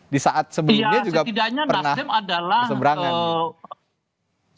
di saat sebelumnya juga pernah bersebrangan